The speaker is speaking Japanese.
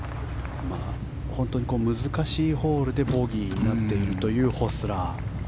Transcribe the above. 本当に難しいホールでボギーになっているホスラー。